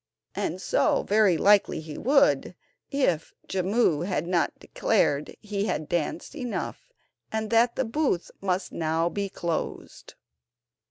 And so very likely he would, if Jimmu had not declared he had danced enough, and that the booth must now be closed.